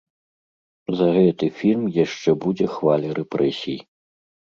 За гэты фільм яшчэ будзе хваля рэпрэсій.